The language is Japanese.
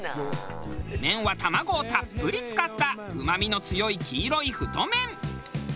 麺は卵をたっぷり使ったうまみの強い黄色い太麺。